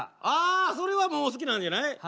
ああそれはもう好きなんじゃない？